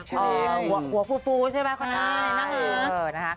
หัวฟูใช่ไหมคนไทย